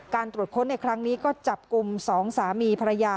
ตรวจค้นในครั้งนี้ก็จับกลุ่ม๒สามีภรรยา